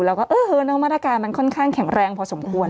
เราก็เฮือแล้วเมื่ออาการมันค่อนข้างแข็งแรงพอสมควร